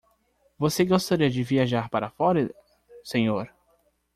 Você gostaria de viajar para a Flórida, senhor?